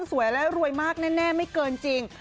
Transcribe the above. สวยและรวยมากแน่ไม่เกินจริง